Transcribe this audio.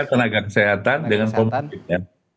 bisa tenaga kesehatan dengan comfortvid ya